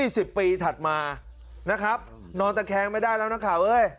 สิบปีถัดมานะครับนอนแต่แคงไม่ได้แล้วนะครับ